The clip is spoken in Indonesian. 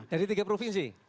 dari tiga provinsi